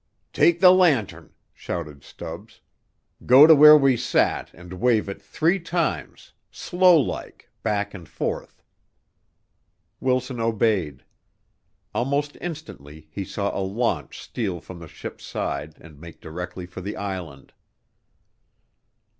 "Take the lantern," shouted Stubbs; "go to where we sat and wave it three times, slow like, back and forth." Wilson obeyed. Almost instantly he saw a launch steal from the ship's side and make directly for the island.